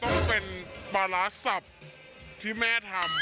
ก็เป็นปลาร้าสับที่แม่ทำ